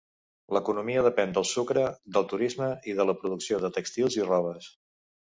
L'economia depèn del sucre, del turisme i de la producció de tèxtils i robes.